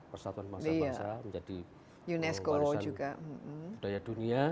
persatuan bangsa bangsa menjadi kewarisan budaya dunia